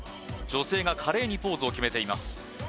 女性が華麗にポーズを決めています